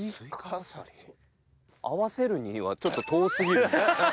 合わせるにはちょっと遠過ぎるんですけど。